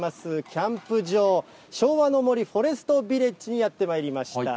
キャンプ場、昭和の森フォレストビレッジにやってまいりました。